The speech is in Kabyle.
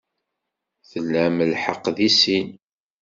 Tlam lḥeqq deg sin.